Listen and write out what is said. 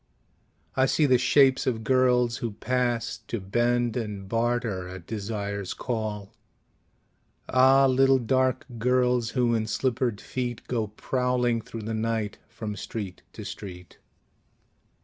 I see the shapes of girls who pass To bend and barter at desire's call. Ah, little dark girls who in slippered feet Go prowling through the night from street to street!